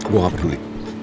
gue gak peduli